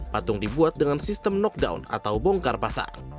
patung dibuat dengan sistem knockdown atau bongkar pasar